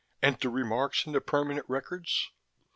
"Enter remarks in the permanent records?